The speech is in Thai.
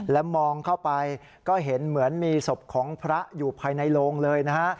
และมองเข้าไปก็เห็นเหมือนมีศพของพระอยู่ภายในโรงเลยนะฮะ